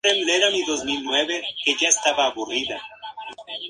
Fueron enterrados en la llamada "Tumba de los españoles".